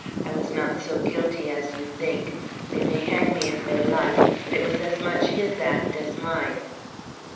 I was not so guilty as you think. They may hang me if they like, but it was as much his act as mine.